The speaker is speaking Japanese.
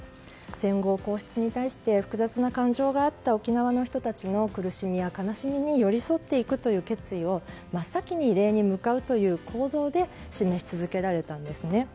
戦後皇室に対して複雑な感情があった沖縄の人たちの苦しみや悲しみに寄り添っていくという決意を真っ先に慰霊に向かうという行動で示し続けられたんですね。